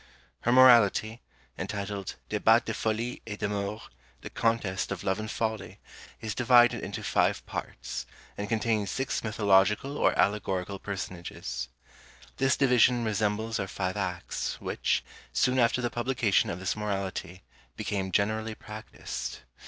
Her Morality, entitled "Débat de Folie et d'Amour the Contest of Love and Folly," is divided into five parts, and contains six mythological or allegorical personages. This division resembles our five acts, which, soon after the publication of this Morality, became generally practised.